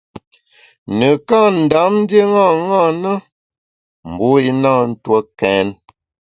Nekâ Ndam ndié ṅaṅâ na, mbu i na ntue kèn.